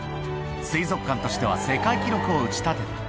水族館としては世界記録を打ち立てた。